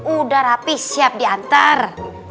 udah rapih siap diantar